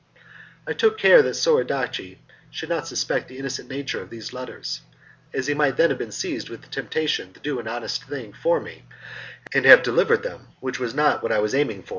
I took care that Soradaci should not suspect the innocent nature of these letters, as he might then have been seized with the temptation to do an honest thing for me, and have delivered them, which was not what I was aiming at.